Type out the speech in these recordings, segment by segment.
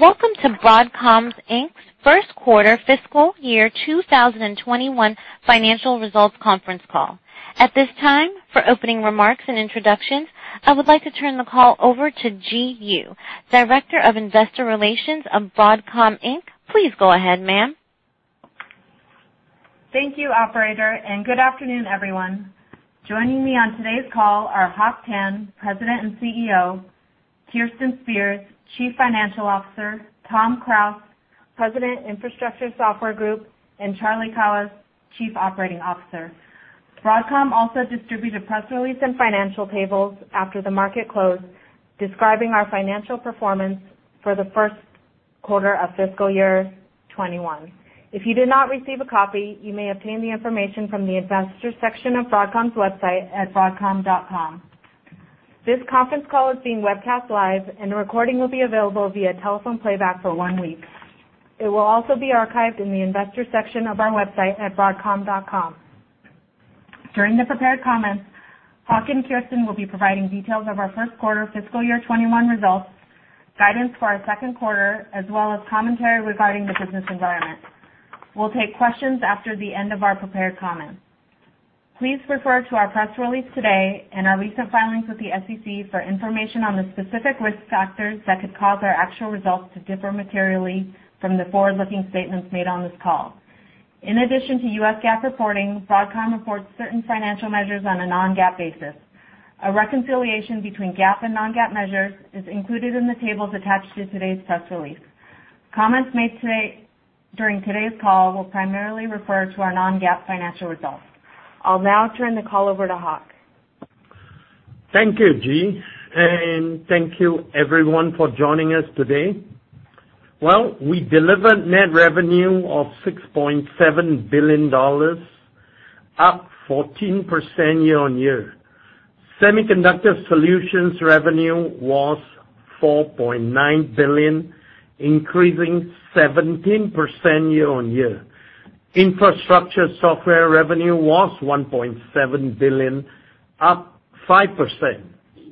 Welcome to Broadcom Inc.'s first quarter fiscal year 2021 financial results conference call. At this time, for opening remarks and introductions, I would like to turn the call over to Ji Yoo, Director of Investor Relations of Broadcom Inc. Please go ahead, ma'am. Thank you, operator. Good afternoon, everyone. Joining me on today's call are Hock Tan, President and CEO, Kirsten Spears, Chief Financial Officer, Tom Krause, President, Infrastructure Software Group, and Charlie Kawwas, Chief Operating Officer. Broadcom also distributed a press release and financial tables after the market close describing our financial performance for the first quarter of fiscal year 2021. If you did not receive a copy, you may obtain the information from the investor section of Broadcom's website at broadcom.com. This conference call is being webcast live. A recording will be available via telephone playback for one week. It will also be archived in the investor section of our website at broadcom.com. During the prepared comments, Hock and Kirsten will be providing details of our first quarter fiscal year 2021 results, guidance for our second quarter, as well as commentary regarding the business environment. We'll take questions after the end of our prepared comments. Please refer to our press release today and our recent filings with the SEC for information on the specific risk factors that could cause our actual results to differ materially from the forward-looking statements made on this call. In addition to U.S. GAAP reporting, Broadcom reports certain financial measures on a non-GAAP basis. A reconciliation between GAAP and non-GAAP measures is included in the tables attached to today's press release. Comments made during today's call will primarily refer to our non-GAAP financial results. I'll now turn the call over to Hock. Thank you, Ji, and thank you everyone for joining us today. Well, we delivered net revenue of $6.7 billion, up 14% year-on-year. Semiconductor Solutions revenue was $4.9 billion, increasing 17% year-on-year. Infrastructure Software revenue was $1.7 billion, up 5%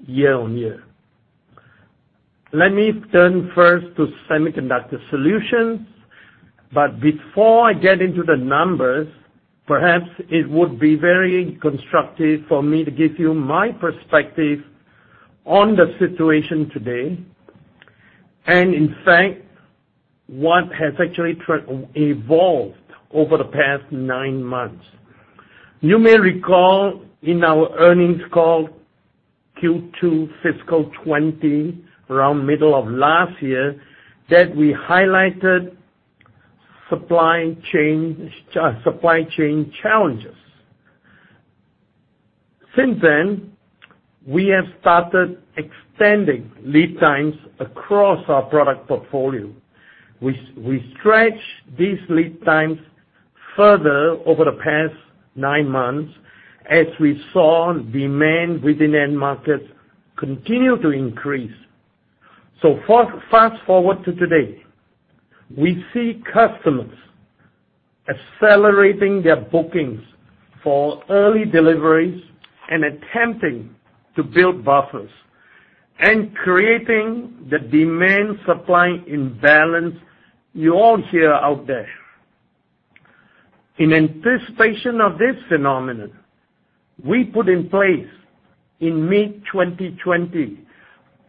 year-on-year. Let me turn first to Semiconductor Solutions. Before I get into the numbers, perhaps it would be very constructive for me to give you my perspective on the situation today, and in fact, what has actually evolved over the past nine months. You may recall in our earnings call Q2 fiscal 2020, around middle of last year, that we highlighted supply chain challenges. Since then, we have started extending lead times across our product portfolio. We stretched these lead times further over the past nine months as we saw demand within end markets continue to increase. Fast forward to today. We see customers accelerating their bookings for early deliveries and attempting to build buffers and creating the demand-supply imbalance you all hear out there. In anticipation of this phenomenon, we put in place in mid-2020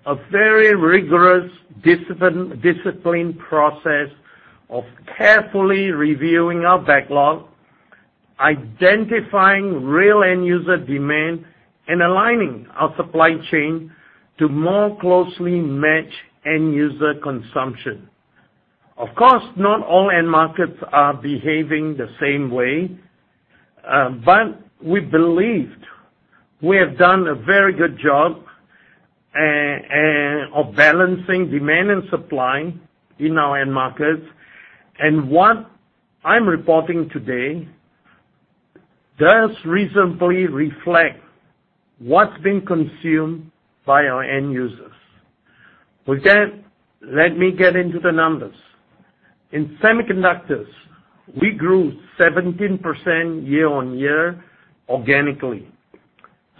a very rigorous, disciplined process of carefully reviewing our backlog, identifying real end user demand, and aligning our supply chain to more closely match end user consumption. Of course, not all end markets are behaving the same way, but we believed we have done a very good job of balancing demand and supply in our end markets. What I'm reporting today does reasonably reflect what's been consumed by our end users. With that, let me get into the numbers. In semiconductors, we grew 17% year-on-year organically.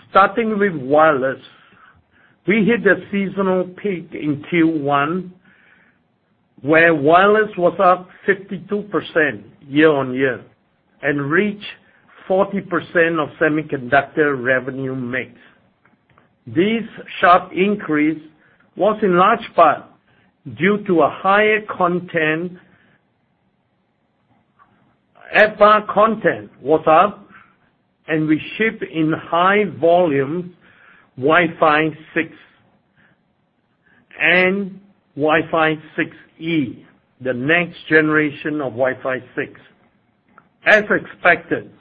Starting with wireless, we hit a seasonal peak in Q1, where wireless was up 52% year-on-year and reached 40% of semiconductor revenue mix. This sharp increase was in large part due to a higher content. RF content was up. We shipped in high volume Wi-Fi 6 and Wi-Fi 6E, the next generation of Wi-Fi 6. As expected,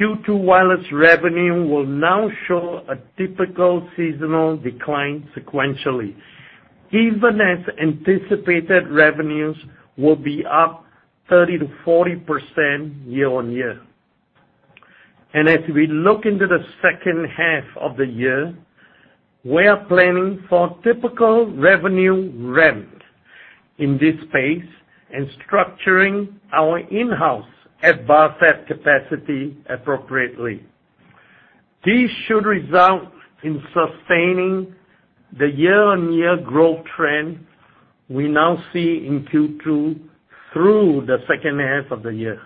Q2 wireless revenue will now show a typical seasonal decline sequentially, even as anticipated revenues will be up 30%-40% year-on-year. As we look into the second half of the year, we are planning for typical revenue ramp in this space and structuring our in-house RF fab capacity appropriately. This should result in sustaining the year-on-year growth trend we now see in Q2 through the second half of the year.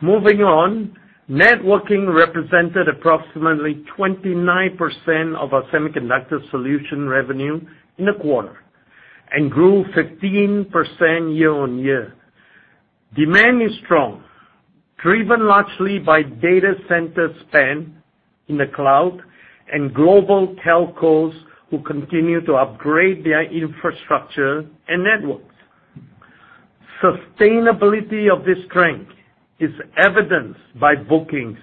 Moving on, networking represented approximately 29% of our Semiconductor Solutions revenue in the quarter and grew 15% year-on-year. Demand is strong, driven largely by data center spend in the cloud and global telcos who continue to upgrade their infrastructure and networks. Sustainability of this strength is evidenced by bookings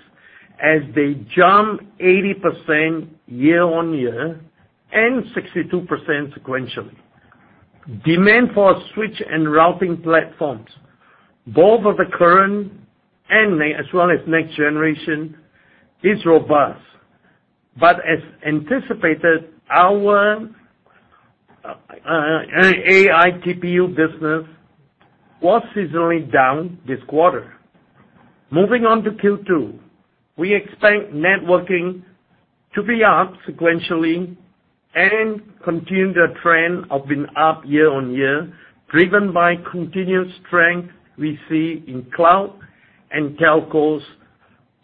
as they jump 80% year-on-year and 62% sequentially. Demand for switch and routing platforms, both of the current as well as next generation, is robust. As anticipated, our AI TPU business was seasonally down this quarter. Moving on to Q2, we expect networking to be up sequentially and continue the trend of being up year-on-year, driven by continued strength we see in cloud and telcos,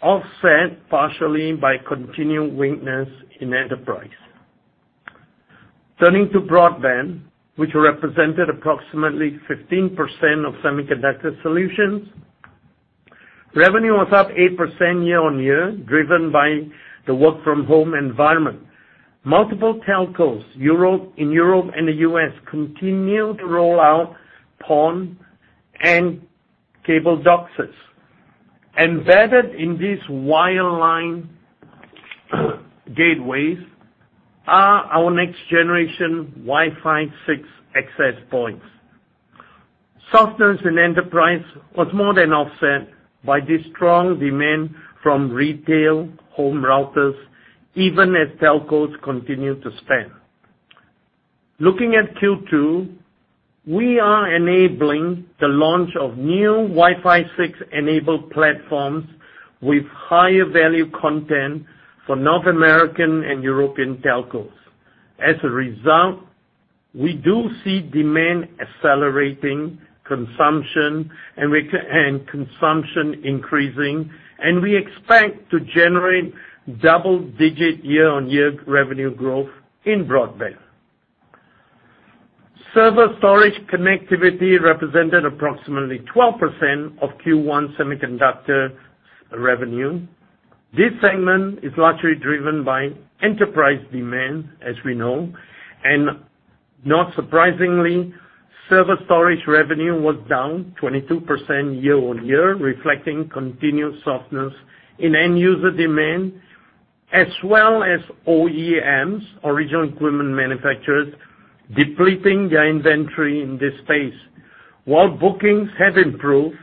offset partially by continued weakness in enterprise. Turning to broadband, which represented approximately 15% of Semiconductor Solutions, revenue was up 8% year-on-year, driven by the work-from-home environment. Multiple telcos in Europe and the U.S. continue to roll out PON and cable DOCSIS. Embedded in these wireline gateways are our next-generation Wi-Fi 6 access points. Softness in enterprise was more than offset by the strong demand from retail home routers, even as telcos continue to spend. Looking at Q2, we are enabling the launch of new Wi-Fi 6 enabled platforms with higher value content for North American and European telcos. As a result, we do see demand accelerating consumption and consumption increasing, and we expect to generate double-digit year-on-year revenue growth in broadband. Server storage connectivity represented approximately 12% of Q1 semiconductor revenue. This segment is largely driven by enterprise demand, as we know. Not surprisingly, server storage revenue was down 22% year-on-year, reflecting continued softness in end user demand, as well as OEMs, original equipment manufacturers, depleting their inventory in this space. While bookings have improved,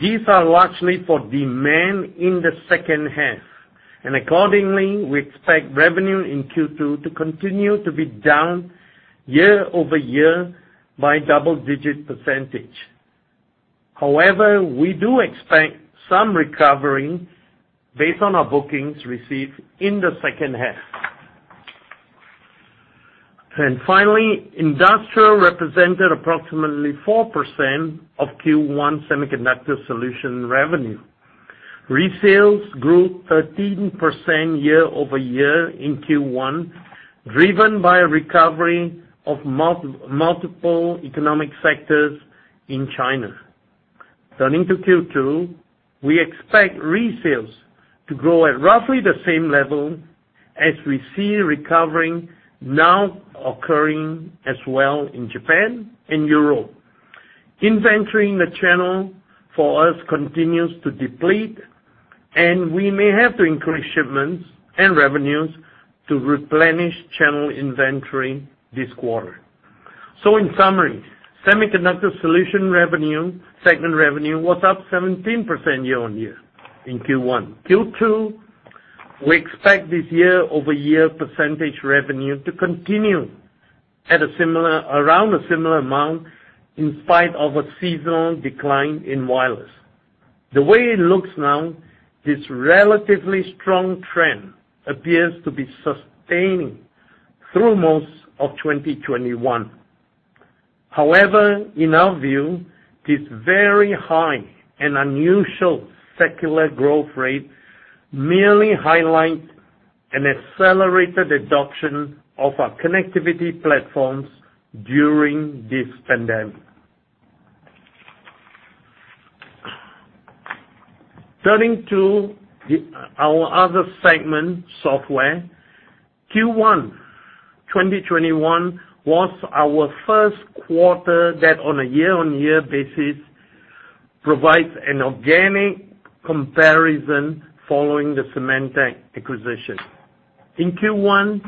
these are largely for demand in the second half, and accordingly, we expect revenue in Q2 to continue to be down year-over-year by double-digit percentage. However, we do expect some recovering based on our bookings received in the second half. Finally, industrial represented approximately 4% of Q1 Semiconductor Solutions revenue. Resales grew 13% year-over-year in Q1, driven by a recovery of multiple economic sectors in China. Turning to Q2, we expect resales to grow at roughly the same level as we see recovering now occurring as well in Japan and Europe. Inventory in the channel for us continues to deplete, and we may have to increase shipments and revenues to replenish channel inventory this quarter. In summary, Semiconductor Solutions revenue, segment revenue, was up 17% year-on-year in Q1. Q2, we expect this year-over-year percentage revenue to continue at around a similar amount in spite of a seasonal decline in wireless. The way it looks now, this relatively strong trend appears to be sustaining through most of 2021. However, in our view, this very high and unusual secular growth rate merely highlights an accelerated adoption of our connectivity platforms during this pandemic. Turning to our other segment, Software, Q1 2021 was our first quarter that on a year-on-year basis provides an organic comparison following the Symantec acquisition. In Q1,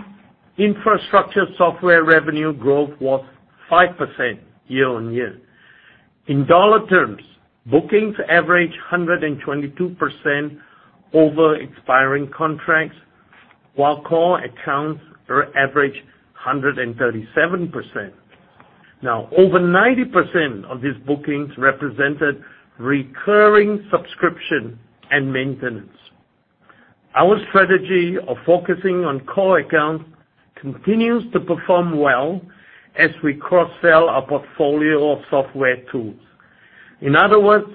Infrastructure Software revenue growth was 5% year-on-year. In dollar terms, bookings averaged 122% over expiring contracts, while core accounts were averaged 137%. Over 90% of these bookings represented recurring subscription and maintenance. Our strategy of focusing on core accounts continues to perform well as we cross-sell our portfolio of software tools. In other words,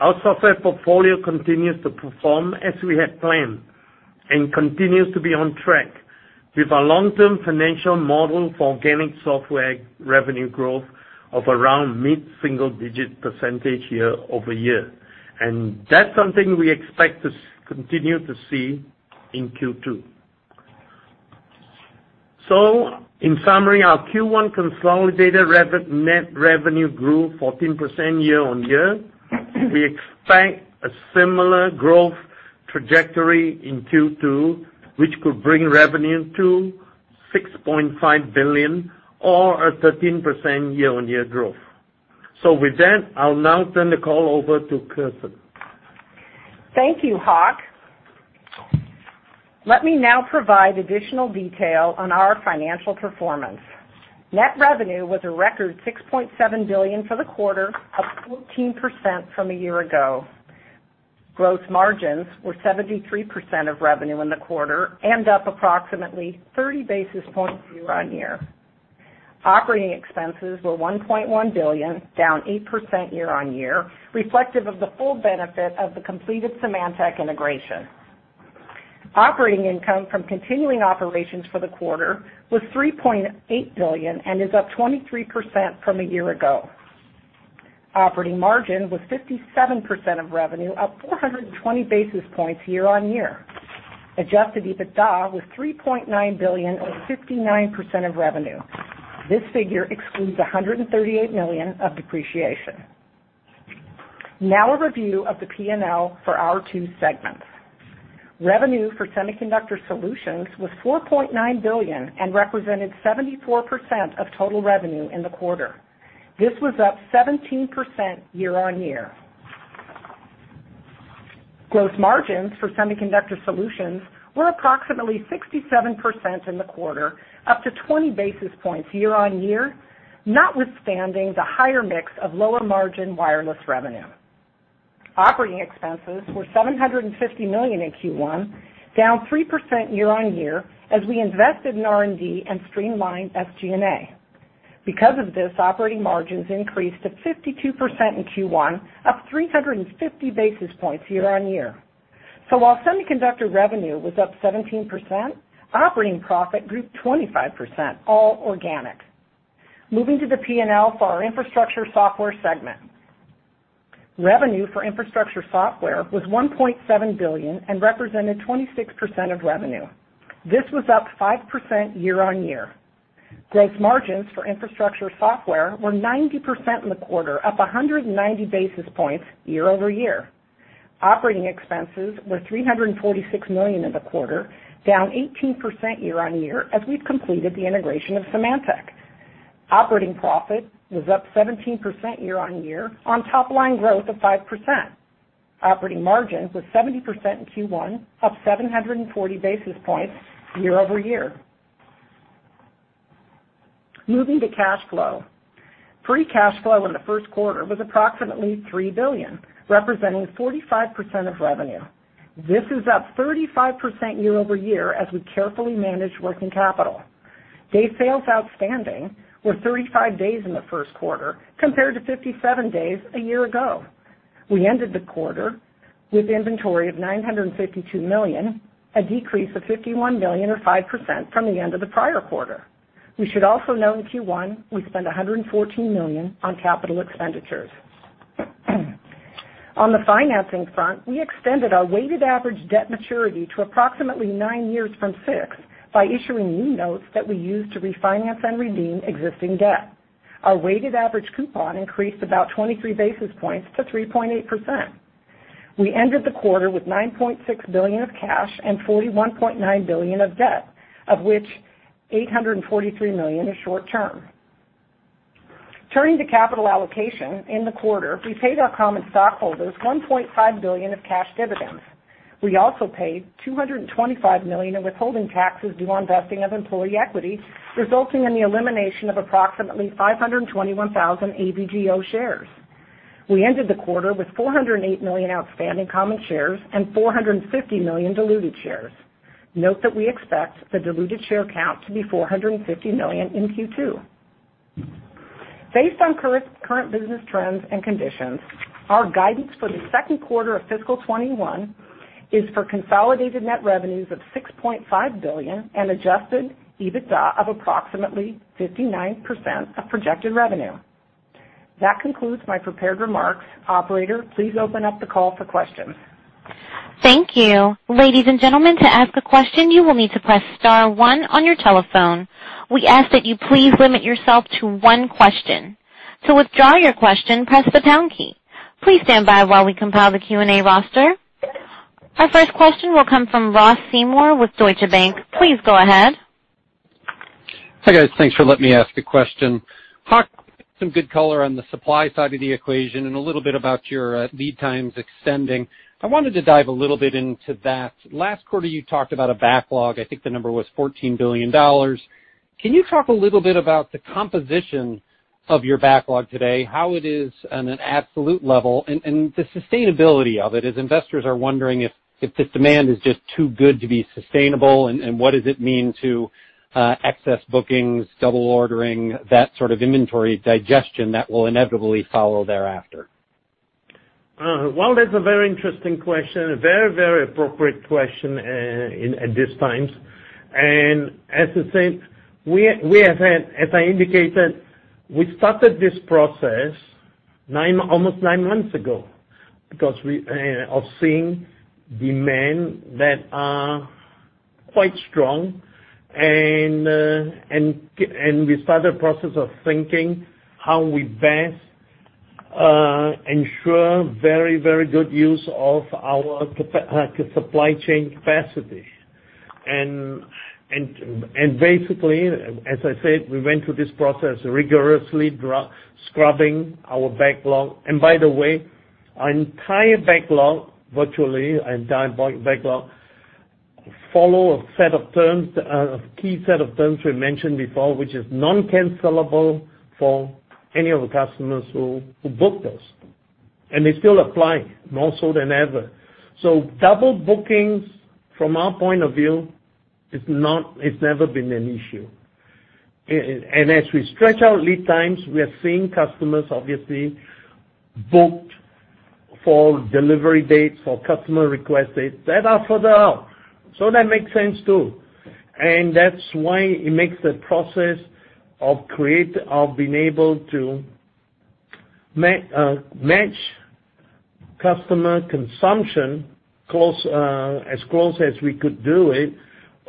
our software portfolio continues to perform as we had planned and continues to be on track with our long-term financial model for organic software revenue growth of around mid-single digit percentage year-over-year. That's something we expect to continue to see in Q2. In summary, our Q1 consolidated net revenue grew 14% year-on-year. We expect a similar growth trajectory in Q2, which could bring revenue to $6.5 billion or a 13% year-on-year growth. With that, I'll now turn the call over to Kirsten. Thank you, Hock. Let me now provide additional detail on our financial performance. Net revenue was a record $6.7 billion for the quarter, up 14% from a year ago. Gross margins were 73% of revenue in the quarter and up approximately 30 basis points year-on-year. Operating expenses were $1.1 billion, down 8% year-on-year, reflective of the full benefit of the completed Symantec integration. Operating income from continuing operations for the quarter was $3.8 billion and is up 23% from a year ago. Operating margin was 57% of revenue, up 420 basis points year-on-year. Adjusted EBITDA was $3.9 billion or 59% of revenue. This figure excludes $138 million of depreciation. Now a review of the P&L for our two segments. Revenue for Semiconductor Solutions was $4.9 billion and represented 74% of total revenue in the quarter. This was up 17% year-on-year. Gross margins for Semiconductor Solutions were approximately 67% in the quarter, up 20 basis points year-on-year, notwithstanding the higher mix of lower margin wireless revenue. Operating expenses were $750 million in Q1, down 3% year-on-year as we invested in R&D and streamlined SG&A. Operating margins increased to 52% in Q1, up 350 basis points year-on-year. While semiconductor revenue was up 17%, operating profit grew 25%, all organic. Moving to the P&L for our Infrastructure Software segment. Revenue for Infrastructure Software was $1.7 billion and represented 26% of revenue. This was up 5% year-on-year. Gross margins for Infrastructure Software were 90% in the quarter, up 190 basis points year-over-year. Operating expenses were $346 million in the quarter, down 18% year-on-year as we've completed the integration of Symantec. Operating profit was up 17% year-over-year on top line growth of 5%. Operating margin was 70% in Q1, up 740 basis points year-over-year. Moving to cash flow. Free cash flow in the first quarter was approximately $3 billion, representing 45% of revenue. This is up 35% year-over-year as we carefully manage working capital. Day sales outstanding were 35 days in the first quarter compared to 57 days a year ago. We ended the quarter with inventory of $952 million, a decrease of $51 million or 5% from the end of the prior quarter. You should also know in Q1, we spent $114 million on capital expenditures. On the financing front, we extended our weighted average debt maturity to approximately nine years from six by issuing new notes that we used to refinance and redeem existing debt. Our weighted average coupon increased about 23 basis points to 3.8%. We ended the quarter with $9.6 billion of cash and $41.9 billion of debt, of which $843 million is short term. Turning to capital allocation. In the quarter, we paid our common stockholders $1.5 billion of cash dividends. We also paid $225 million in withholding taxes due on vesting of employee equity, resulting in the elimination of approximately 521,000 AVGO shares. We ended the quarter with 408 million outstanding common shares and 450 million diluted shares. Note that we expect the diluted share count to be 450 million in Q2. Based on current business trends and conditions, our guidance for the second quarter of fiscal 2021 is for consolidated net revenues of $6.5 billion and adjusted EBITDA of approximately 59% of projected revenue. That concludes my prepared remarks. Operator, please open up the call for questions. Thank you. Ladies and gentlemen, to ask a question, you will need to press star one on your telephone. We ask that you please limit yourself to one question. To withdraw your question, press the pound key. Please stand by while we compile the Q&A roster. Our first question will come from Ross Seymore with Deutsche Bank. Please go ahead. Hi, guys. Thanks for letting me ask a question. Hock. Some good color on the supply side of the equation and a little bit about your lead times extending. I wanted to dive a little bit into that. Last quarter, you talked about a backlog, I think the number was $14 billion. Can you talk a little bit about the composition of your backlog today, how it is on an absolute level, and the sustainability of it, as investors are wondering if this demand is just too good to be sustainable and what does it mean to excess bookings, double ordering, that sort of inventory digestion that will inevitably follow thereafter? Well, that's a very interesting question, a very appropriate question at this time. As I said, as I indicated, we started this process almost nine months ago because of seeing demand that are quite strong. We start the process of thinking how we best ensure very good use of our supply chain capacity. Basically, as I said, we went through this process rigorously scrubbing our backlog. By the way, our entire backlog, virtually entire backlog, follow a key set of terms we mentioned before, which is non-cancelable for any of the customers who booked us, and they still apply more so than ever. Double bookings, from our point of view, it's never been an issue. As we stretch out lead times, we are seeing customers obviously book for delivery dates, for customer request dates that are further out. That makes sense too. That's why it makes the process of being able to match customer consumption as close as we could do it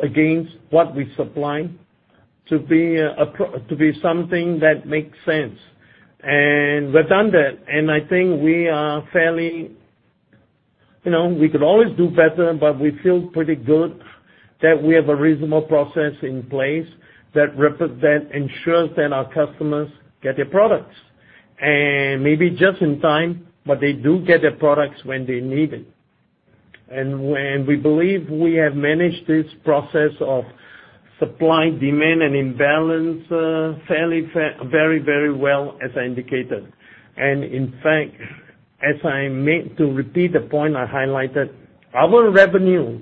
against what we supply to be something that makes sense. We've done that, and I think we could always do better, but we feel pretty good that we have a reasonable process in place that ensures that our customers get their products. Maybe just in time, but they do get their products when they need it. We believe we have managed this process of supply, demand, and imbalance very well, as I indicated. In fact, as I meant to repeat the point I highlighted, our revenue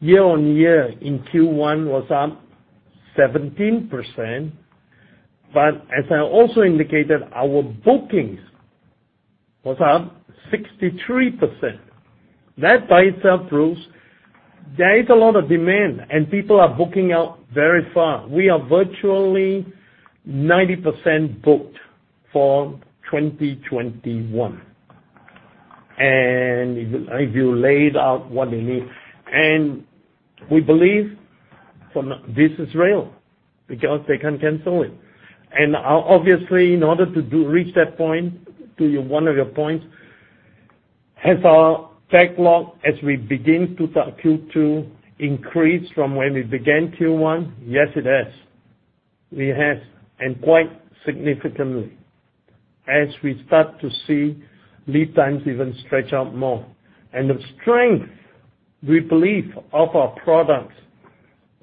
year-over-year in Q1 was up 17%, but as I also indicated, our bookings was up 63%. That by itself proves there is a lot of demand, and people are booking out very far. We are virtually 90% booked for 2021. If you laid out what they need. We believe this is real because they can't cancel it. Obviously, in order to reach that point, to one of your points, has our backlog as we begin Q2 increased from when we began Q1? Yes, it has. We have, and quite significantly, as we start to see lead times even stretch out more. The strength, we believe, of our products,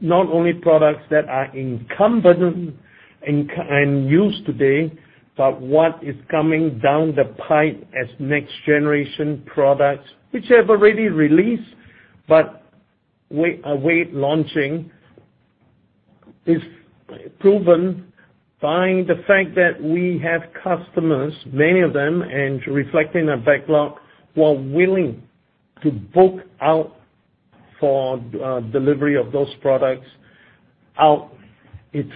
not only products that are incumbent and used today, but what is coming down the pipe as next-generation products, which have already released, but await launching, is proven by the fact that we have customers, many of them, and reflecting our backlog, who are willing to book out for delivery of those products out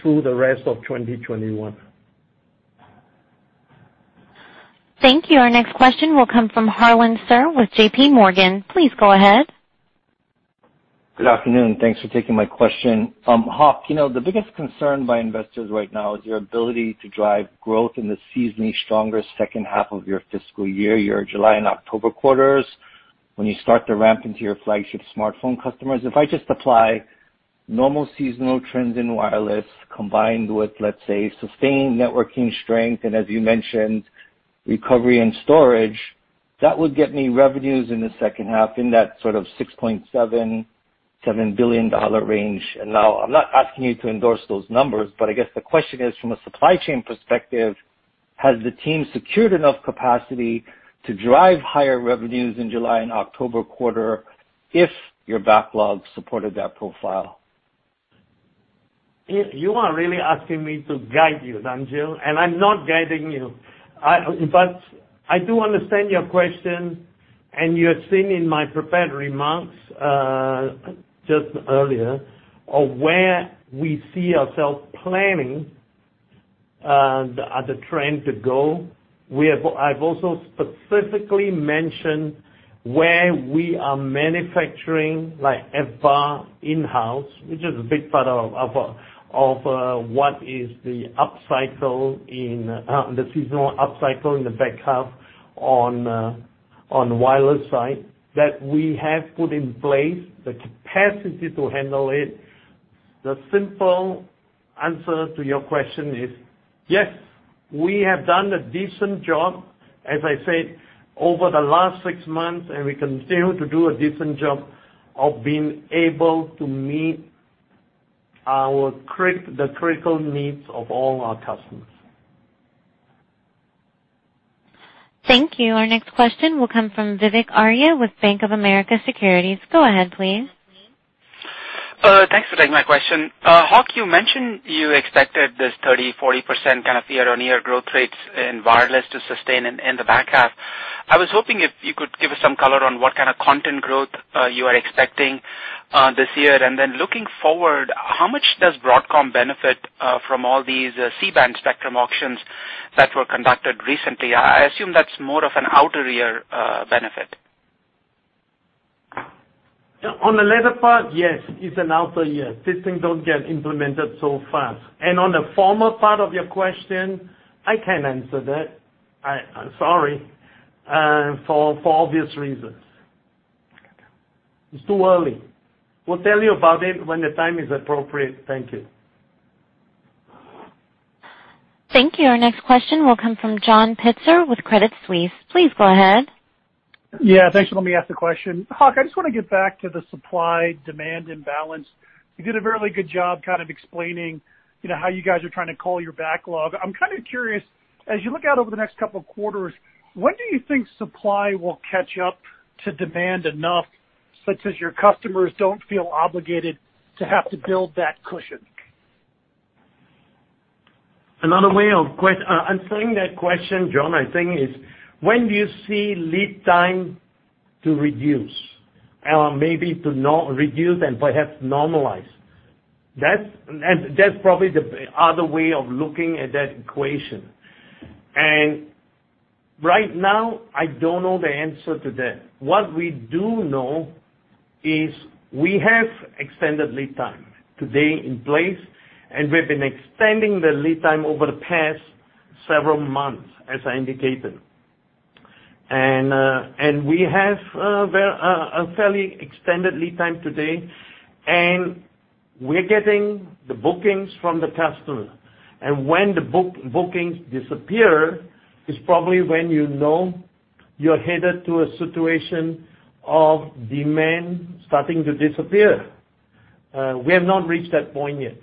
through the rest of 2021. Thank you. Our next question will come from Harlan Sur with JPMorgan. Please go ahead. Good afternoon. Thanks for taking my question. Hock, the biggest concern by investors right now is your ability to drive growth in the seasonally stronger second half of your fiscal year, your July and October quarters, when you start to ramp into your flagship smartphone customers. If I just apply normal seasonal trends in wireless combined with, let's say, sustained networking strength and, as you mentioned, recovery in storage, that would get me revenues in the second half in that sort of $6.7 billion range. Now, I'm not asking you to endorse those numbers, but I guess the question is, from a supply chain perspective, has the team secured enough capacity to drive higher revenues in July and October quarter if your backlog supported that profile? You are really asking me to guide you, Harlan. I'm not guiding you. I do understand your question, and you have seen in my prepared remarks just earlier of where we see ourselves planning the trend to go. I've also specifically mentioned where we are manufacturing, like FBAR in-house, which is a big part of what is the seasonal upcycle in the back half on wireless side that we have put in place the capacity to handle it. The simple answer to your question is, yes, we have done a decent job, as I said, over the last six months, and we continue to do a decent job of being able to meet the critical needs of all our customers. Thank you. Our next question will come from Vivek Arya with Bank of America Securities. Go ahead, please. Thanks for taking my question. Hock, you mentioned you expected this 30%-40% kind of year-on-year growth rates in wireless to sustain in the back half. I was hoping if you could give us some color on what kind of content growth you are expecting this year. Looking forward, how much does Broadcom benefit from all these C-band spectrum auctions that were conducted recently? I assume that's more of an outer year benefit. On the latter part, yes, it's an outer year. These things don't get implemented so fast. On the former part of your question, I can't answer that. I'm sorry, for obvious reasons. It's too early. We'll tell you about it when the time is appropriate. Thank you. Thank you. Our next question will come from John Pitzer with Credit Suisse. Please go ahead. Yeah. Thanks for letting me ask the question. Hock, I just want to get back to the supply-demand imbalance. You did a really good job kind of explaining how you guys are trying to call your backlog. I'm kind of curious, as you look out over the next couple of quarters, when do you think supply will catch up to demand enough such that your customers don't feel obligated to have to build that cushion? Another way of answering that question, John, I think, is when do you see lead time to reduce? Maybe to not reduce and perhaps normalize. That's probably the other way of looking at that equation. Right now, I don't know the answer to that. What we do know is we have extended lead time today in place, and we've been extending the lead time over the past several months, as I indicated. We have a fairly extended lead time today, and we're getting the bookings from the customer. When the bookings disappear is probably when you know you're headed to a situation of demand starting to disappear. We have not reached that point yet.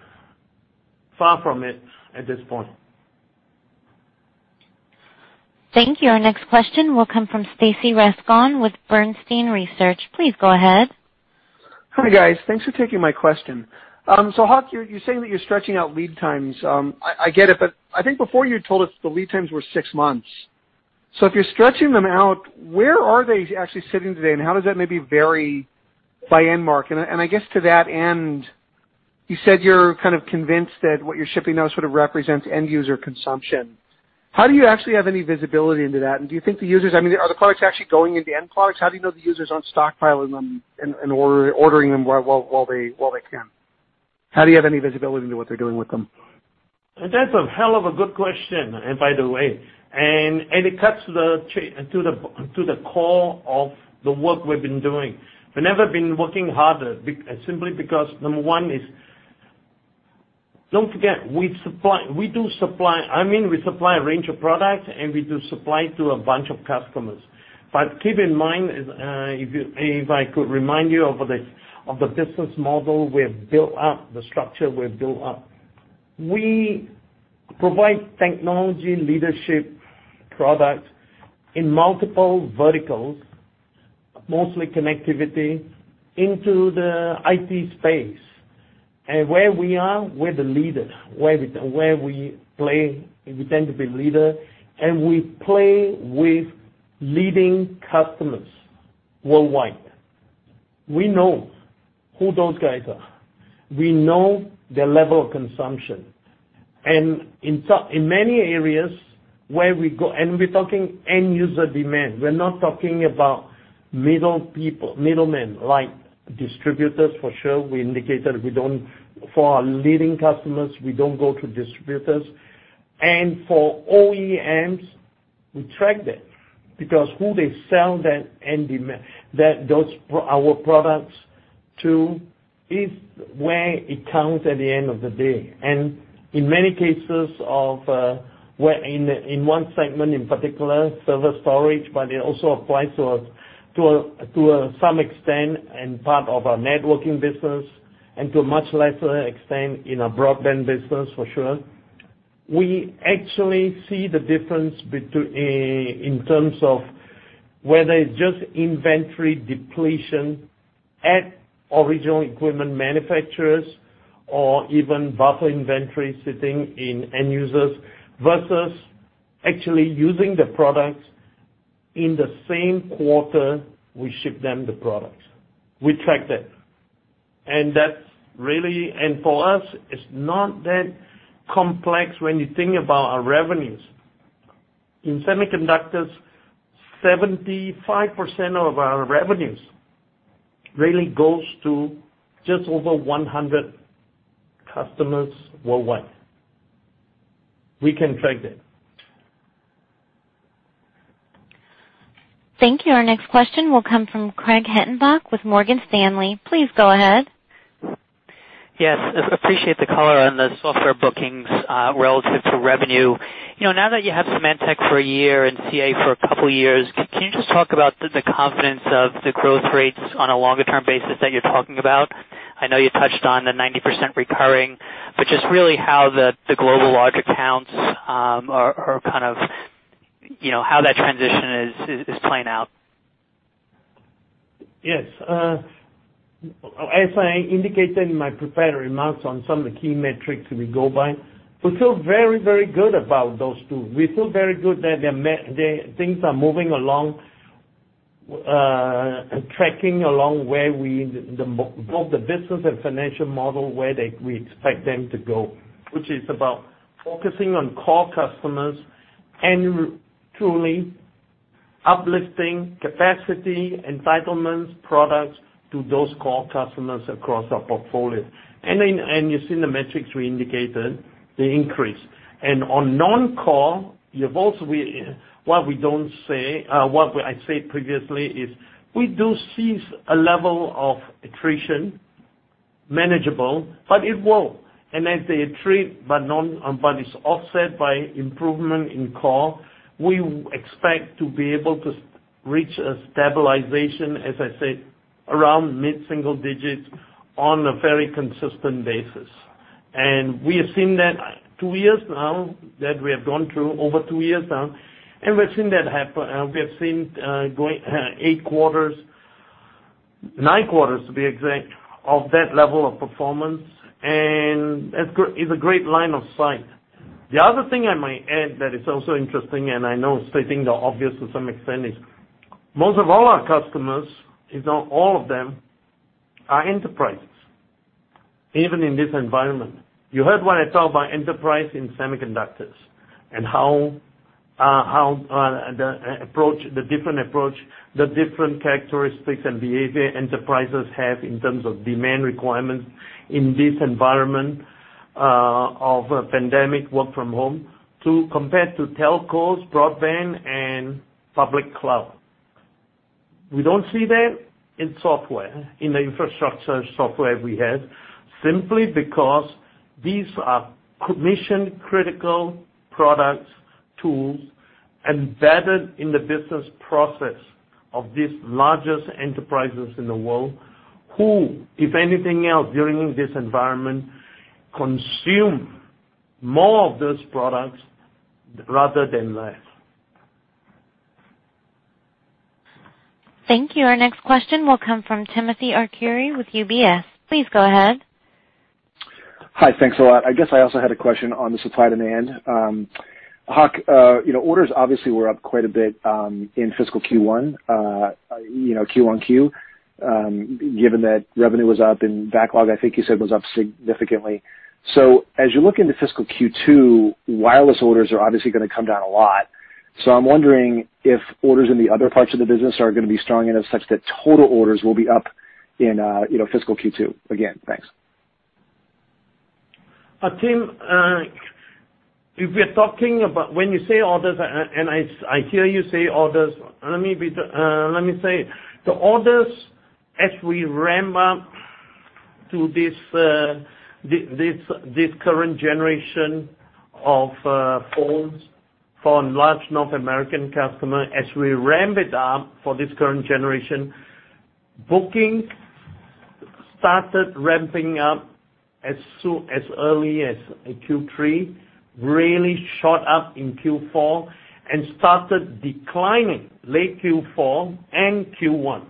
Far from it at this point. Thank you. Our next question will come from Stacy Rasgon with Bernstein Research. Please go ahead. Hi, guys. Thanks for taking my question. Hock, you're saying that you're stretching out lead times. I get it, but I think before you told us the lead times were six months. If you're stretching them out, where are they actually sitting today, and how does that maybe vary by end mark? I guess to that end, you said you're kind of convinced that what you're shipping now sort of represents end user consumption. How do you actually have any visibility into that? Do you think the products actually going into end products? How do you know the users aren't stockpiling them and ordering them while they can? How do you have any visibility into what they're doing with them? That's a hell of a good question, by the way. It cuts to the core of the work we've been doing. We've never been working harder simply because, number one is, don't forget, we supply a range of products, and we do supply to a bunch of customers. Keep in mind, if I could remind you of the business model we've built up, the structure we've built up. We provide technology leadership products in multiple verticals, mostly connectivity into the IT space. Where we are, we're the leader. Where we play, we tend to be leader, and we play with leading customers worldwide. We know who those guys are. We know their level of consumption. In many areas where we go, we're talking end user demand. We're not talking about middle men, like distributors for sure. We indicated for our leading customers, we don't go through distributors. For OEMs, we track that because who they sell our products to is where it counts at the end of the day. In many cases, in one segment, in particular, server storage, but it also applies to some extent and part of our networking business and to a much lesser extent in our broadband business, for sure. We actually see the difference in terms of whether it's just inventory depletion at original equipment manufacturers or even buffer inventory sitting in end users versus actually using the products in the same quarter we ship them the products. We track that. For us, it's not that complex when you think about our revenues. In semiconductors, 75% of our revenues really goes to just over 100 customers worldwide. We can track that. Thank you. Our next question will come from Craig Hettenbach with Morgan Stanley. Please go ahead. Yes, appreciate the color on the software bookings relative to revenue. Now that you have Symantec for a year and CA for a couple of years, can you just talk about the confidence of the growth rates on a longer-term basis that you're talking about? I know you touched on the 90% recurring, but just really how the global large accounts are kind of how that transition is playing out. Yes. As I indicated in my prepared remarks on some of the key metrics we go by, we feel very, very good about those two. We feel very good that things are moving along, tracking along both the business and financial model, where we expect them to go, which is about focusing on core customers and truly uplifting capacity, entitlements, products to those core customers across our portfolio. You've seen the metrics we indicated, they increase. On non-core, what I said previously is we do see a level of attrition, manageable, but it will. As they attrit, but it's offset by improvement in core, we expect to be able to reach a stabilization, as I said, around mid-single digits on a very consistent basis. We have seen that two years now that we have gone through, over two years now, we have seen eight quarters, nine quarters, to be exact, of that level of performance, it's a great line of sight. The other thing I might add that is also interesting, and I know stating the obvious to some extent, is most of all our customers, if not all of them, are enterprises, even in this environment. You heard what I thought about enterprise in semiconductors and how the different approach, the different characteristics and behavior enterprises have in terms of demand requirements in this environment of a pandemic, work from home, compared to telcos, broadband, and public cloud. We don't see that in software, in the infrastructure software we have, simply because these are mission-critical products, tools, embedded in the business process of these largest enterprises in the world, who, if anything else, during this environment, consume more of those products rather than less. Thank you. Our next question will come from Timothy Arcuri with UBS. Please go ahead. Hi, thanks a lot. I guess I also had a question on the supply-demand. Hock, orders obviously were up quite a bit in fiscal Q1, given that revenue was up and backlog, I think you said, was up significantly. As you look into fiscal Q2, wireless orders are obviously going to come down a lot. I'm wondering if orders in the other parts of the business are going to be strong and as such that total orders will be up in fiscal Q2. Again, thanks. Tim, when you say orders, and I hear you say orders, let me say the orders as we ramp up to this current generation of phones for a large North American customer, as we ramp it up for this current generation, bookings started ramping up as early as Q3, really shot up in Q4, and started declining late Q4 and Q1.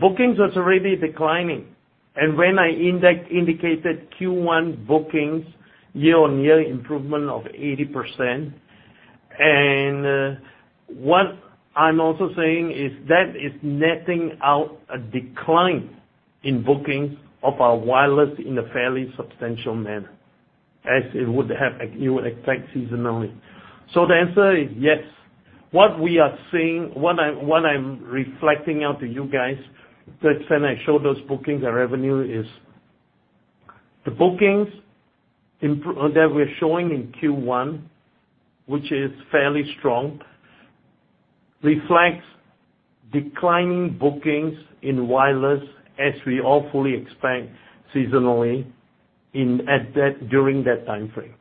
Bookings was already declining. When I indicated Q1 bookings year-over-year improvement of 80%, what I'm also saying is that is netting out a decline in bookings of our wireless in a fairly substantial manner, as you would expect seasonally. The answer is yes. What I'm reflecting out to you guys when I show those bookings, the revenue is the bookings that we're showing in Q1, which is fairly strong, reflects declining bookings in wireless as we all fully expect seasonally during that time frame.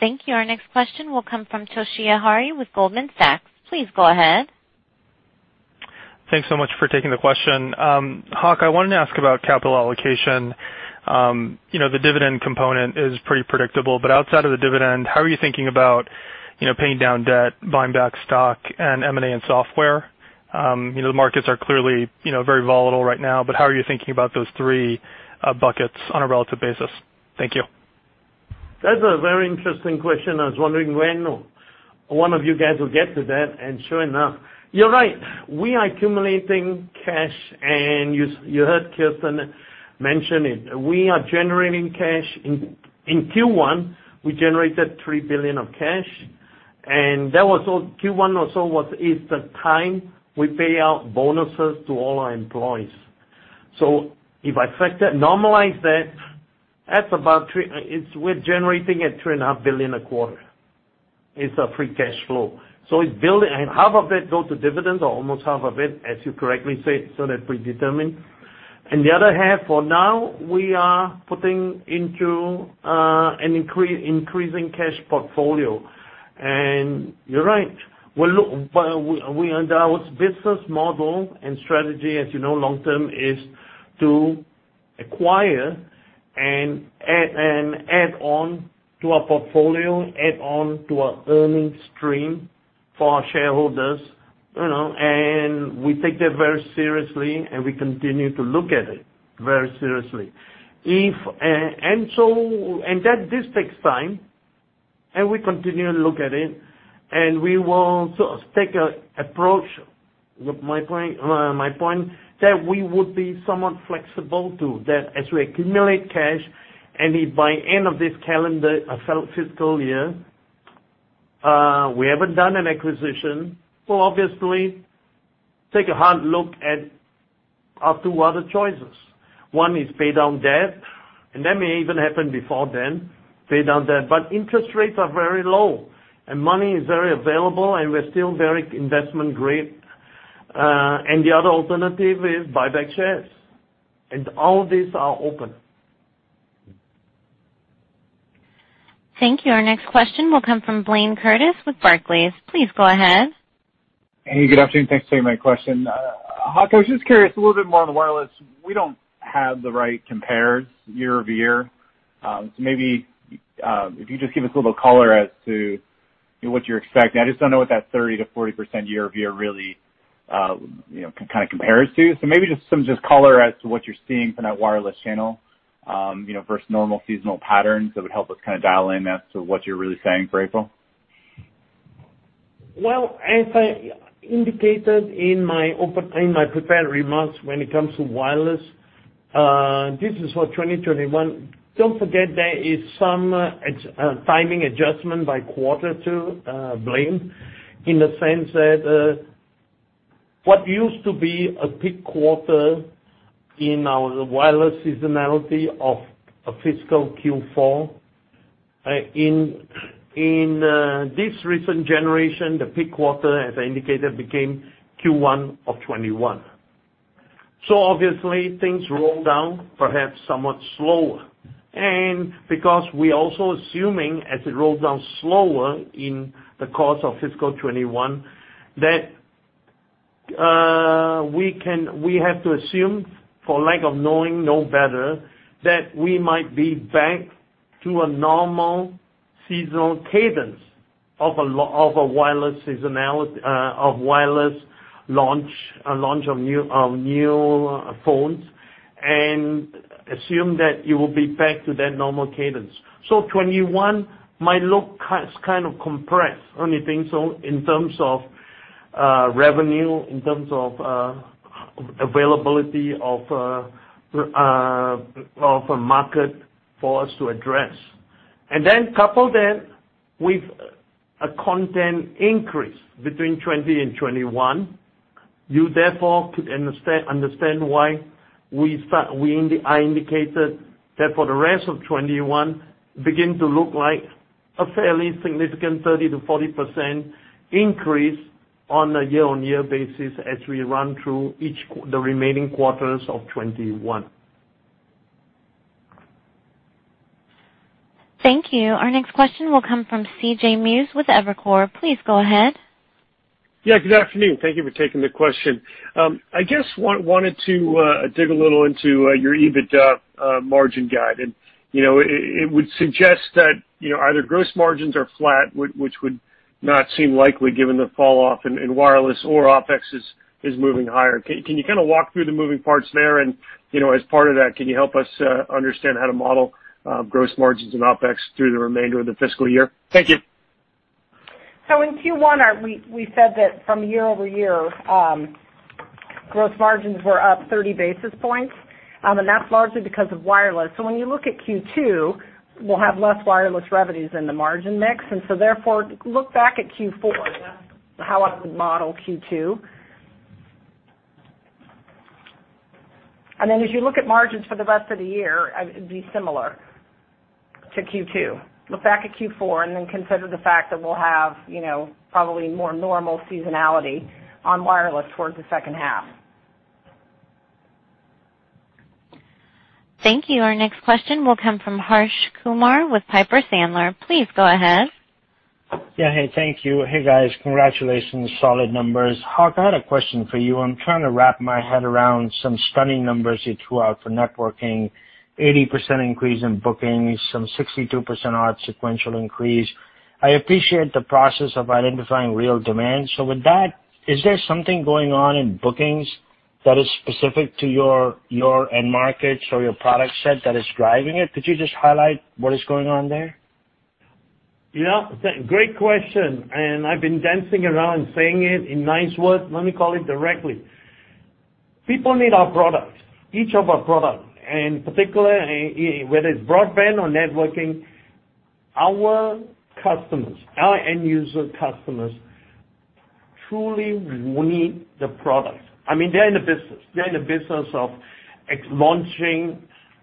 Thank you. Our next question will come from Toshiya Hari with Goldman Sachs. Please go ahead. Thanks so much for taking the question. Hock, I wanted to ask about capital allocation. The dividend component is pretty predictable. Outside of the dividend, how are you thinking about paying down debt, buying back stock, and M&A in software? The markets are clearly very volatile right now. How are you thinking about those three buckets on a relative basis? Thank you. That's a very interesting question. I was wondering when one of you guys will get to that, and sure enough. You're right. We are accumulating cash, and you heard Kirsten mention it. We are generating cash. In Q1, we generated $3 billion of cash, and Q1 also is the time we pay out bonuses to all our employees. If I normalize that, we're generating at $3.5 billion a quarter. It's a free cash flow. Half of it goes to dividends, or almost half of it, as you correctly said, so that's predetermined. The other half, for now, we are putting into an increasing cash portfolio. You're right, our business model and strategy, as you know, long term, is to acquire and add on to our portfolio, add on to our earnings stream for our shareholders. We take that very seriously, and we continue to look at it very seriously. This takes time, and we continue to look at it, and we will take an approach with my point that we would be somewhat flexible to, that as we accumulate cash, and if by end of this calendar fiscal year, we haven't done an acquisition, we'll obviously take a hard look at our two other choices. One is pay down debt, and that may even happen before then, pay down debt. Interest rates are very low, and money is very available, and we're still very investment grade. The other alternative is buyback shares. All of these are open. Thank you. Our next question will come from Blayne Curtis with Barclays. Please go ahead. Hey, good afternoon. Thanks for taking my question. Hock, I was just curious a little bit more on the wireless. We don't have the right compares year-over-year. Maybe if you just give us a little color as to what you're expecting. I just don't know what that 30%-40% year-over-year really compares to. Maybe just some color as to what you're seeing from that wireless channel versus normal seasonal patterns that would help us kind of dial in as to what you're really saying for April. As I indicated in my prepared remarks, when it comes to wireless, this is for 2021. Don't forget there is some timing adjustment by quarter too, Blayne, in the sense that what used to be a peak quarter in our wireless seasonality of a fiscal Q4, in this recent generation, the peak quarter, as I indicated, became Q1 2021. Obviously things roll down perhaps somewhat slower. Because we're also assuming as it rolls down slower in the course of fiscal 2021, that we have to assume, for lack of knowing no better, that we might be back to a normal seasonal cadence of a wireless launch, a launch of new phones, and assume that it will be back to that normal cadence. 2021 might look kind of compressed, only thing, so in terms of revenue, in terms of availability of a market for us to address. Couple that with a content increase between 2020 and 2021. You therefore could understand why I indicated that for the rest of 2021 begin to look like a fairly significant 30%-40% increase on a year-on-year basis as we run through the remaining quarters of 2021. Thank you. Our next question will come from C.J. Muse with Evercore. Please go ahead. Yeah, good afternoon. Thank you for taking the question. I just wanted to dig a little into your EBITDA margin guide. It would suggest that either gross margins are flat, which would not seem likely given the fall off in wireless or OpEx is moving higher. Can you walk through the moving parts there and, as part of that, can you help us understand how to model gross margins and OpEx through the remainder of the fiscal year? Thank you. In Q1, we said that from year over year, gross margins were up 30 basis points. That's largely because of wireless. When you look at Q2, we'll have less wireless revenues in the margin mix, and therefore, look back at Q4, how I would model Q2. Then as you look at margins for the rest of the year, it'd be similar to Q2. Look back at Q4 and then consider the fact that we'll have probably more normal seasonality on wireless towards the second half. Thank you. Our next question will come from Harsh Kumar with Piper Sandler. Please go ahead. Yeah, hey, thank you. Hey, guys, congratulations. Solid numbers. Hock, I had a question for you. I'm trying to wrap my head around some stunning numbers you threw out for networking, 80% increase in bookings, some 62% odd sequential increase. I appreciate the process of identifying real demand. With that, is there something going on in bookings that is specific to your end markets or your product set that is driving it? Could you just highlight what is going on there? Great question. I've been dancing around saying it in nice words. Let me call it directly. People need our products, each of our products, and particularly, whether it's broadband or networking, our customers, our end user customers truly need the product. They're in the business. They're in the business of launching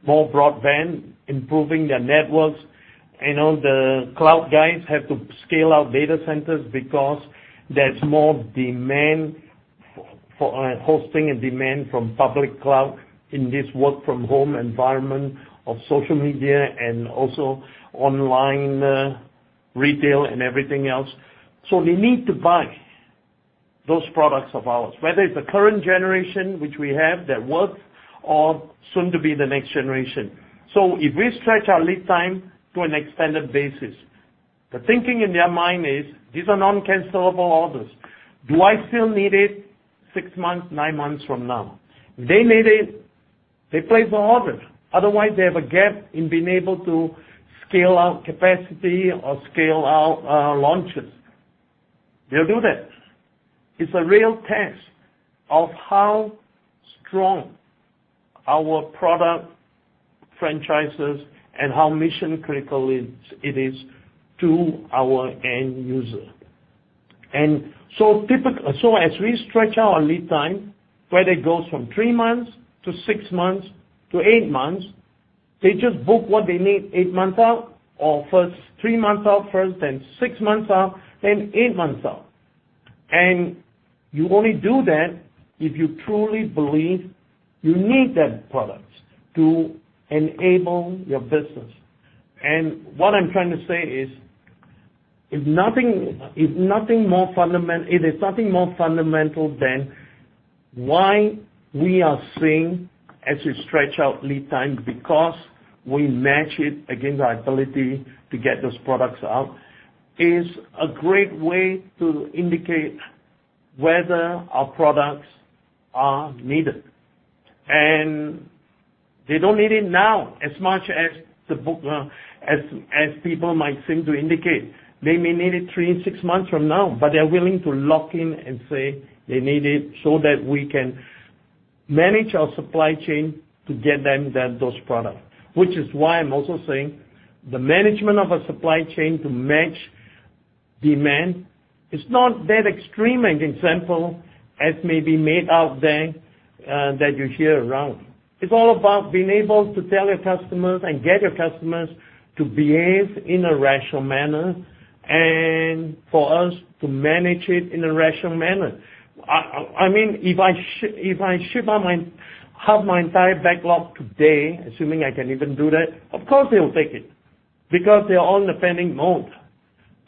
more broadband, improving their networks. The cloud guys have to scale out data centers because there's more demand for hosting and demand from public cloud in this work from home environment of social media and also online retail and everything else. They need to buy those products of ours, whether it's the current generation which we have that works or soon to be the next generation. If we stretch our lead time to an extended basis, the thinking in their mind is, these are non-cancelable orders. Do I still need it six months, nine months from now? If they need it, they place the order. Otherwise, they have a gap in being able to scale out capacity or scale out launches. They'll do that. It's a real test of how strong our product franchises and how mission critical it is to our end user. As we stretch our lead time, whether it goes from three months to six months to eight months, they just book what they need eight months out or first three months out first, then six months out, then eight months out. You only do that if you truly believe you need that product to enable your business. What I'm trying to say is, it is nothing more fundamental than why we are seeing as we stretch out lead time, because we match it against our ability to get those products out, is a great way to indicate whether our products are needed. They don't need it now as much as people might seem to indicate. They may need it three and six months from now, but they're willing to lock in and say they need it so that we can manage our supply chain to get them those products. Which is why I'm also saying the management of a supply chain to match demand is not that extreme and simple as may be made out there, that you hear around. It's all about being able to tell your customers and get your customers to behave in a rational manner and for us to manage it in a rational manner. If I ship half my entire backlog today, assuming I can even do that, of course they'll take it, because they're all in a panic mode.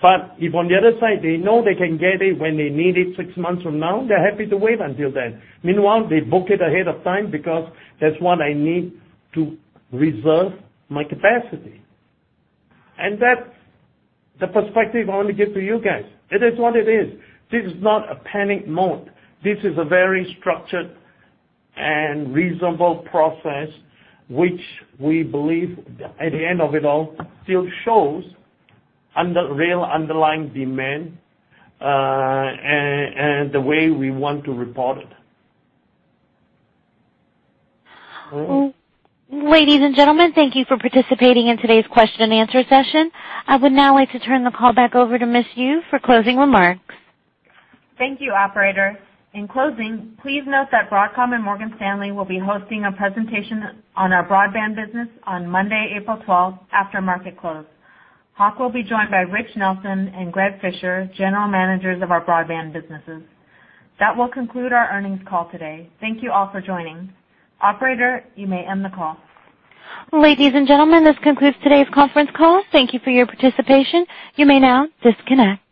If on the other side, they know they can get it when they need it six months from now, they're happy to wait until then. Meanwhile, they book it ahead of time because that's what I need to reserve my capacity. That's the perspective I want to give to you guys. It is what it is. This is not a panic mode. This is a very structured and reasonable process, which we believe at the end of it all, still shows real underlying demand, and the way we want to report it. Ladies and gentlemen, thank you for participating in today's question and answer session. I would now like to turn the call back over to Ms. Yoo for closing remarks. Thank you, operator. In closing, please note that Broadcom and Morgan Stanley will be hosting a presentation on our broadband business on Monday, April 12th after market close. Hock will be joined by Rich Nelson and Greg Fischer, general managers of our broadband businesses. That will conclude our earnings call today. Thank you all for joining. Operator, you may end the call. Ladies and gentlemen, this concludes today's conference call. Thank you for your participation. You may now disconnect.